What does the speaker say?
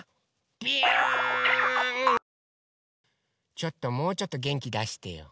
ちょっともうちょっとげんきだしてよ。